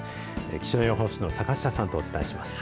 気象予報士の坂下さんとお伝えします。